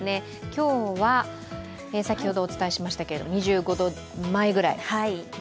今日は先ほどお伝えしましたけれども、２５度前ぐらい。